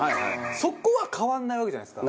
そこは変わらないわけじゃないですか。